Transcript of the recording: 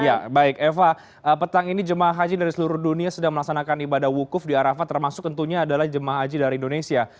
ya baik eva petang ini jemaah haji dari seluruh dunia sedang melaksanakan ibadah wukuf di arafah termasuk tentunya adalah jemaah haji dari indonesia